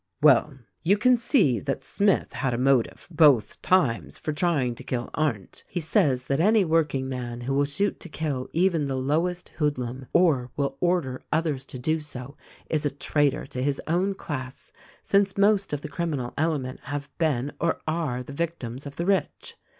"Well, you can see that Smith had a motive, both times, for trying to kill Arndt. He says that any workingman who will shoot to kill even the lowest hoodlum, or will order others to do so, is a traitor to his own class, since most of the criminal element have been or are the victims of the rich.